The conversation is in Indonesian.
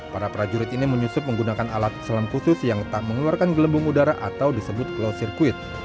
para prajurit ini menyusup menggunakan alat selam khusus yang tak mengeluarkan gelembung udara atau disebut close circuit